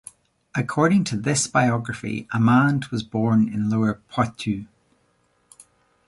According to this biography, Amand was born in Lower Poitou.